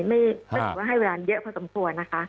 ก็ถือว่าให้เวลาเยอะพอสมควรนะคะ